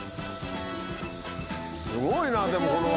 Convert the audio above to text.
すごいなでもこの